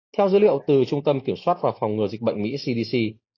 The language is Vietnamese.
theo dữ liệu từ trung tâm kiểm soát và phòng ngừa dịch bệnh mỹ cdc